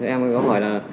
em ấy có hỏi là